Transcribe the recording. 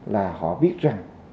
là họ biết rằng